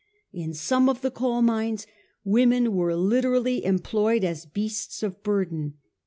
In some of the coal mines women were literally employed as beasts of burden.